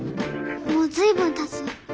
もう随分たつわ。